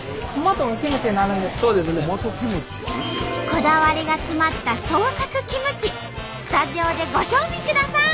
こだわりが詰まった創作キムチスタジオでご賞味ください！